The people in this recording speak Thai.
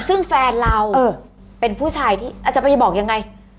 ซึ่งแฟนเราเป็นผู้ชายที่อาจจะไปบอกยังไง